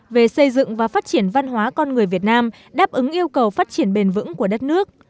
về xây dựng và phát triển văn hóa con người việt nam đáp ứng yêu cầu phát triển bền vững của đất nước